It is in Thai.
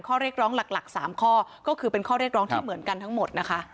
ข้อเรียกร้องหลัก๓ข้อก็คือเป็นข้อเรียกร้องที่เหมือนกันทั้งหมดนะคะ